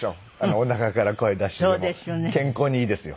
おなかから声出して健康にいいですよ。